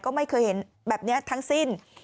ก็ไม่เคยเห็นแบบนี้ทั้งสิ้น